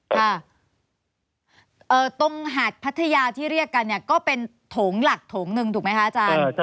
ค่ะตรงหาดพัทยาที่เรียกกันเนี่ยก็เป็นโถงหลักโถงหนึ่งถูกไหมคะอาจารย์